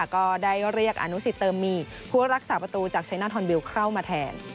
ก็ได้เรียกอนุสิตเติมมีผู้รักษาประตูจากชัยนาธอนบิลเข้ามาแทน